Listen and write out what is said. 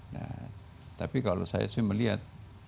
nah tapi kalau saya sih melihat